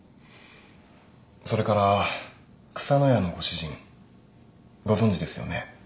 それから草野屋のご主人ご存じですよね？